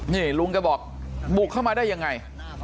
นี่ลุงแกบอกบุกเข้ามาได้ยังไง